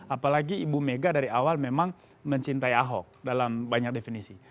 apalagi ibu mega dari awal memang mencintai ahok dalam banyak definisi